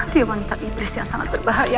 dia wanita iblis yang sangat berbahaya